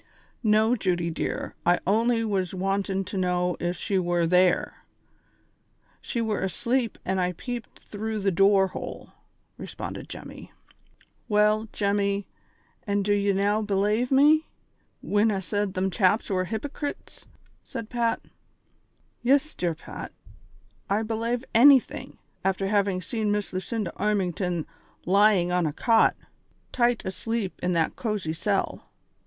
"Xo, Judy dear, I only was wantin' to know if she were there. Slie were asleep when I peeped through the door hole," responded Jemmy. "Well, Jemmy, an' do ye now belave me, whin I sed them chaps were hypocrets ?" said Pat. "Yis, dear Pat, I belave anything, after having seen Miss Lucinda Armington lying on a cot, tight asleep in that cozy cell.